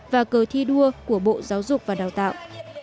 và cờ thi đua của bộ giáo dục và đào tạo